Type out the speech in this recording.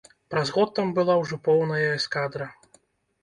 Праз год там была ўжо поўная эскадра.